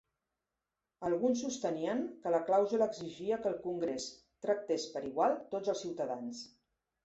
Alguns sostenien que la clàusula exigia que el Congrés tractés per igual tots els ciutadans.